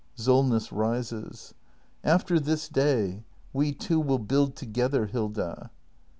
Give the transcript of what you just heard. i Solness. [Rises.] After this day we two will build together, Hilda.